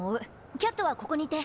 キャットはここにいて。